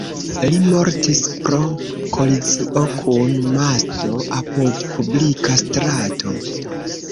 Li mortis pro kolizio kun masto apud publika strato.